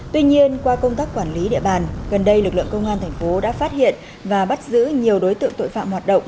tuy nhiên qua công tác quản lý địa bàn gần đây lực lượng công an thành phố đã phát hiện và bắt giữ nhiều đối tượng tội phạm hoạt động